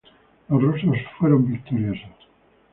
Los rusos fueron victoriosos.